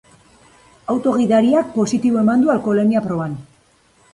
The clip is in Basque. Auto gidariak positibo eman du alkoholemia proban.